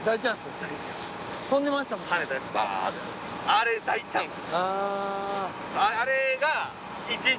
あれ大チャンス？